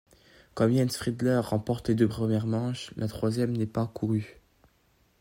Comme Jens Fiedler remporte les deux premières manches, la troisième n'est pas courue.